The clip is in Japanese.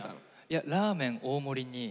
いやラーメン大盛りに。